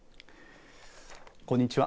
こんにちは。